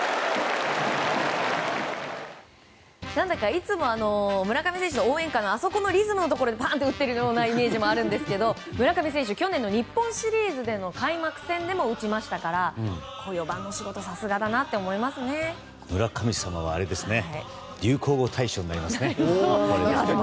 いつも村上選手の応援歌があそこのリズムのところでバーンと打っているイメージもあるんですけど村上選手、去年の日本シリーズの開幕戦でも打ちましたから４番の仕事村神様は流行語大賞になりますね。